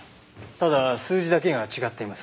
ただ数字だけが違っています。